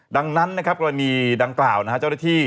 ดังนั้นนะครับกรณีดังกล่าวเจ้าหน้าที่